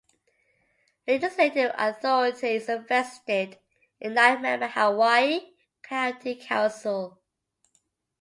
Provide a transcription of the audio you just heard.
Legislative authority is vested in a nine-member Hawaii County Council.